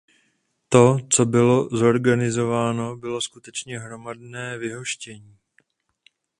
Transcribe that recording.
To, co bylo zorganizováno, bylo skutečně hromadné vyhoštění.